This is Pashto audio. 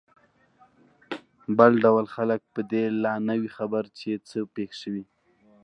بل ډول خلک په دې لا نه وي خبر چې څه پېښ شوي.